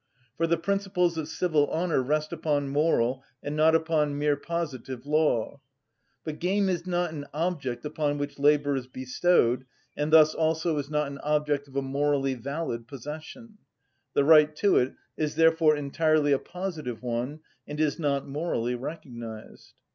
For the principles of civil honour rest upon moral and not upon mere positive law; but game is not an object upon which labour is bestowed, and thus also is not an object of a morally valid possession: the right to it is therefore entirely a positive one, and is not morally recognised.